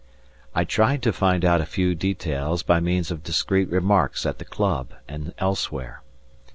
I tried to find out a few details by means of discreet remarks at the Club and elsewhere.